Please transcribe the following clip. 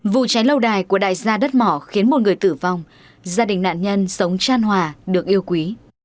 vụ cháy lâu đài của đại gia đất mỏ khiến một người tử vong gia đình nạn nhân sống tràn hòa được yêu quý